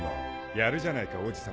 やるじゃないか王子様。